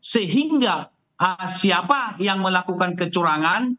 sehingga siapa yang melakukan kecurangan